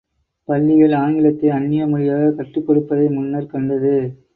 பள்ளிகள், ஆங்கிலத்தை அந்நிய மொழியாகக் கற்றுக் கொடுப்பதை முன்னர் கண்டது.